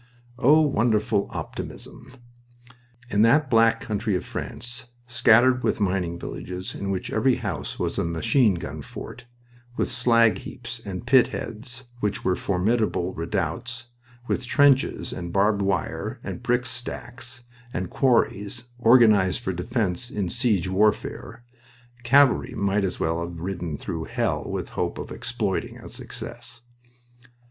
Oh, wonderful optimism! In that Black Country of France, scattered with mining villages in which every house was a machine gun fort, with slag heaps and pit heads which were formidable redoubts, with trenches and barbed wire and brick stacks, and quarries, organized for defense in siege warfare, cavalry might as well have ridden through hell with hope of "exploiting" success...